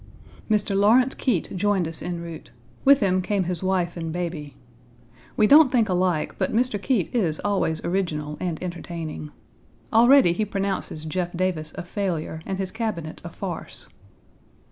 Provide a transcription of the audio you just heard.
Mr. Lawrence Keitt joined us en route. With him came his wife and baby. We don't think alike, but Mr. Keitt is always original and entertaining. Already he pronounces Jeff Davis a failure and his Cabinet a farce.